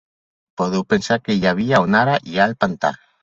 Podeu pensar què hi havia on ara hi ha el pantà.